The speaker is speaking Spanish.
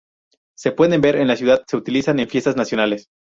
Se pueden ver en la ciudad, se utiliza en fiestas nacionales.